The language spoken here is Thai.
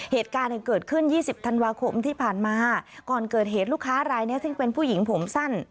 เหตุการณ์เกิดขึ้น๒๐ธันวาคมที่ผ่านมาก่อนเกิดเหตุลูกค้ารายนี้ซึ่งเป็นผู้หญิงผมสั้น